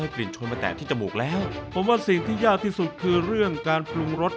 คือเรื่องการปรุงรส